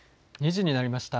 ２時になりました。